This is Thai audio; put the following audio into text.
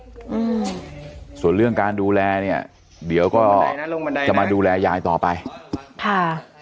อืมส่วนเรื่องการดูแลเนี่ยเดี๋ยวก็ลงบันไดนะลงบันไดนะจะมาดูแลยายต่อไปค่ะ